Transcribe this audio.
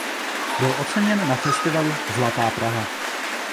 Byl oceněn na festivalu Zlatá Praha.